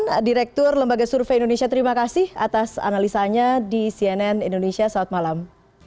terima kasih direktur lembaga survei indonesia terima kasih atas analisanya di cnn indonesia selamat malam